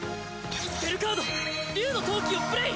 スペルカード竜の闘気をプレイ！